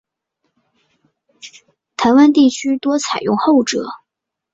台湾地区多采用后者。